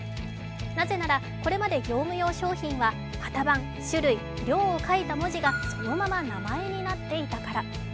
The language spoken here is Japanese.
なぜならこれまで業務用商品は型番、種類、量を書いた文字がそのまま名前になっていたから。